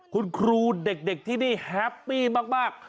คุณครูเด็กที่นี่แฮปปี้มาก